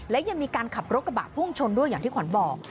และยังมีการขับรถกระบะพุ่งชนด้วยอย่างที่ขวัญบอก